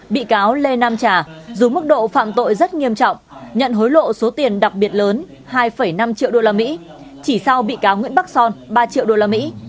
bị cáo lê nam trà dù mức độ phạm tội rất nghiêm trọng nhận hối lộ số tiền đặc biệt lớn hai năm triệu đô la mỹ chỉ sau bị cáo nguyễn bắc son ba triệu đô la mỹ